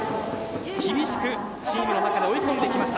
厳しくチームの中で追い込んできました。